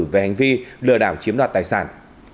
về hành vi lừa đảo chiếm đoạt tài sản